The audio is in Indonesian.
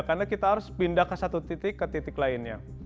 karena kita harus pindah ke satu titik ke titik lainnya